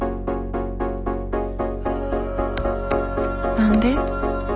何で？